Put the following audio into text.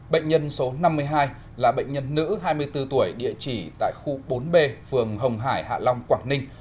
bệnh nhân số năm mươi hai là bệnh nhân nữ hai mươi bốn tuổi địa chỉ tại khu bốn b phường hồng hải hạ long quảng ninh